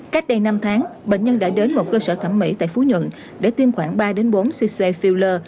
cách đây năm tháng bệnh nhân đã đến một cơ sở thẩm mỹ tại phú nhuận để tiêm khoảng ba bốn cc filler